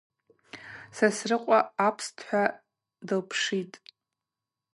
Сосрыкъва апстхӏва дылпшитӏ:.